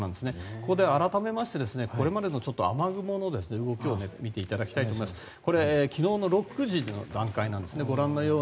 ここで改めましてこれまでの雨雲の動きを見ていただきたいんですがこれ昨日の６時の段階なんですね。